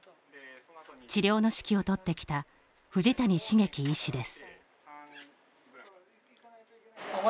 治療の指揮を執ってきた藤谷茂樹医師です。